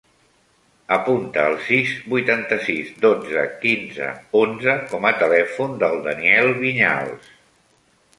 Apunta el sis, vuitanta-sis, dotze, quinze, onze com a telèfon del Daniel Viñals.